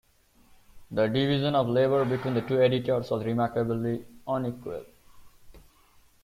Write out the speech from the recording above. The division of labour between the two editors was remarkably unequal.